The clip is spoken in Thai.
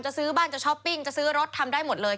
ซื้อบ้านจะช้อปปิ้งจะซื้อรถทำได้หมดเลย